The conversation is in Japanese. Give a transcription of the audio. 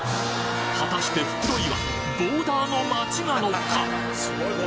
はたして袋井はボーダーの街なのか？